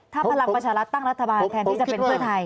ถ้าพลังประชารัฐตั้งรัฐบาลแทนที่จะเป็นเพื่อไทย